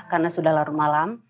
karena sudah larut malam